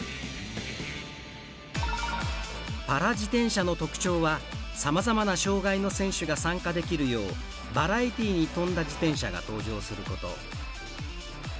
パラ自転車の特徴はさまざまな障がいの選手が参加できるようバラエティーに富んだ自転車が登場すること。